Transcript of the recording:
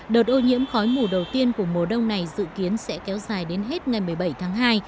đợt ô nhiễm khói mù đầu tiên của mùa đông này dự kiến sẽ kéo dài đến hết ngày một mươi bảy tháng hai